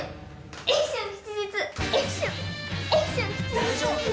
大丈夫？